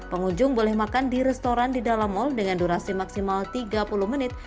pengunjung boleh makan di restoran di dalam mal dengan durasi maksimal tiga puluh menit